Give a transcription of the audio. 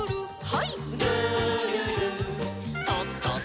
はい。